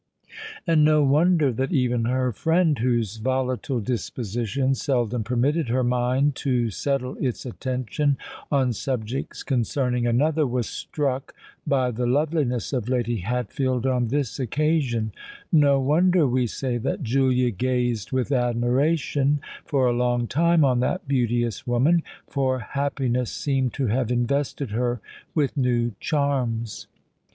And no wonder that even her friend, whose volatile disposition seldom permitted her mind to settle its attention on subjects concerning another, was struck by the loveliness of Lady Hatfield on this occasion:—no wonder, we say, that Julia gazed with admiration for a long time on that beauteous woman: for happiness seemed to have invested her with new charms.